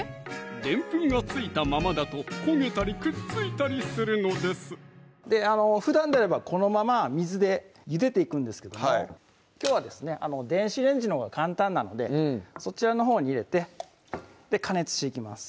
デンプンが付いたままだと焦げたりくっついたりするのですふだんであればこのまま水でゆでていくんですけどもきょうはですね電子レンジのほうが簡単なのでそちらのほうに入れて加熱していきます